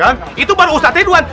kan itu baru ustadznya duluan